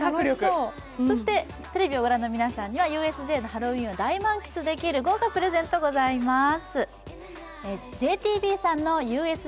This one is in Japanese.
テレビをご覧の皆さんにはＵＳＪのアトラクションを大満喫できる豪華プレゼントがございます。